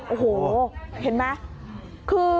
โอ้โหเห็นไหม